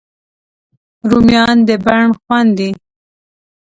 رومیان د بڼ خوند دي